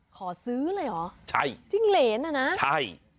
ขอซื้อเลยเหรอจิ้งเลนส์น่ะนะใช่